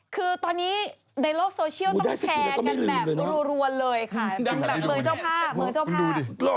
คือตอนนี้ในโลกโซเชียลต้องแชร์กันแบบรัวเลยค่ะเป็นแบบเมืองเจ้าภาพเมืองเจ้าภาพ